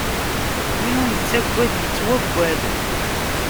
Win ur nettaggad, ittwaggad.